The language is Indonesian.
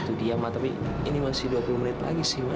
itu dia ma tapi ini masih dua puluh menit lagi sih ma